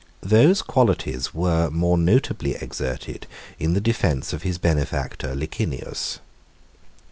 52 Those qualities were more nobly exerted in the defence of his benefactor Licinius.